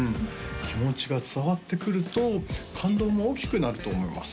気持ちが伝わってくると感動も大きくなると思います